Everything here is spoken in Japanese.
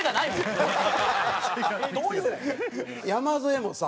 山添もさ